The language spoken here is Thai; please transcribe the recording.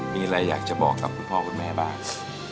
มีอะไรอยากจะบอกกับคุณพ่อคุณแม่บ้าง